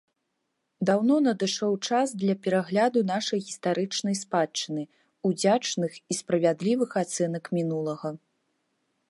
Даўно надышоў час для перагляду нашай гістарычнай спадчыны, удзячных і справядлівых ацэнак мінулага.